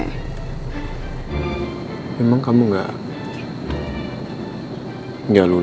kalau itu apa yang akan terjadi